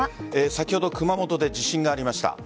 先ほど熊本で地震がありました。